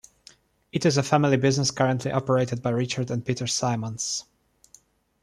It is a family business currently operated by Richard and Peter Simons.